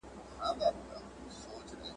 له مستۍ به یې په ډزو کي شیشنی سو !.